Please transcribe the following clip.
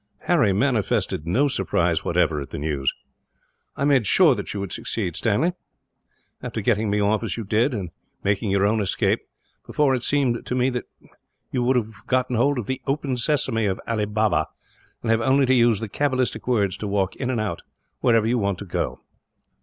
Harry manifested no surprise, whatever, at the news. "I made sure that you would succeed, Stanley. After getting me off, as you did; and making your own escape, before, it seems to me that you have got hold of the 'open sesame' of Ali Baba, and have only to use the cabalistic words to walk in and out, wherever you want to go."